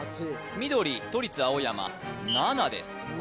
緑都立青山７です